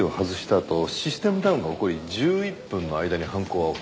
あとシステムダウンが起こり１１分の間に犯行は起きた。